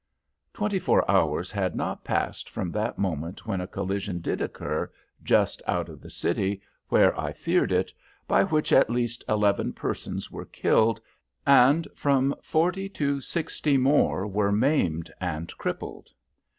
Twenty four hours had not passed from that moment when a collision did occur, just out of the city, where I feared it, by which at least eleven persons were killed, and from forty to sixty more were maimed and crippled!